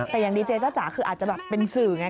แต่อย่างดีเจจ้าจ๋าคืออาจจะแบบเป็นสื่อไง